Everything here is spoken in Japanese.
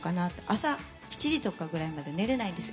朝、７時とかぐらいまで寝れないんです。